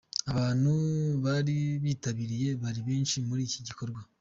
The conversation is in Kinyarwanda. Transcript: Abantu bari bitabiriye ari benshi muri iki gikorwa.